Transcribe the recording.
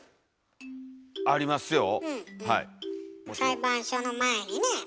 裁判所の前にね